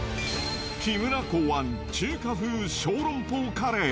木村考案、中華風小籠包カレー。